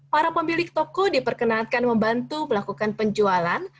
para pemilik toko diperkenalkan membantu melakukan penjualan